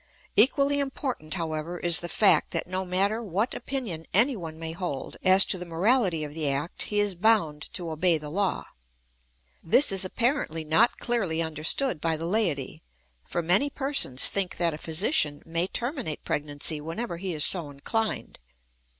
Equally important, however, is the fact that no matter what opinion anyone may hold as to the morality of the act he is bound to obey the law. This is apparently not clearly understood by the laity, for many persons think that a physician may terminate pregnancy whenever he is so inclined.